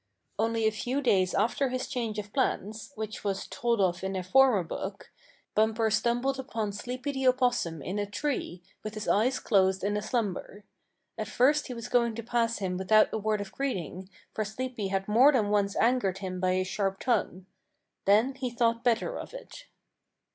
Only a few days after his change of plans, which was told of in a former book, Bumper stumbled upon Sleepy the Opossum in a tree, with his eyes closed in slumber. At first he was going to pass him without a word of greeting, for Sleepy had more than once angered him by his sharp tongue. Then he thought better of it.